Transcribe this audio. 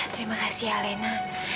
terima kasih alena